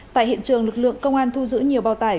tại hiện trường lực lượng công an thu giữ nhiều bào tải